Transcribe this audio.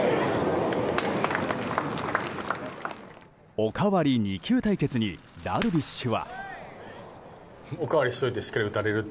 おかわり２球対決にダルビッシュは。